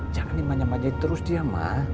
jangan nih manja manjain terus dia ma